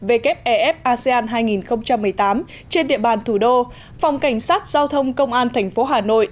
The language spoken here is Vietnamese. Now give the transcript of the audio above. wef asean hai nghìn một mươi tám trên địa bàn thủ đô phòng cảnh sát giao thông công an tp hà nội